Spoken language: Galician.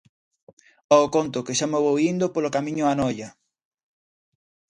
Ao conto, que xa me vou indo polo camiño a Noia.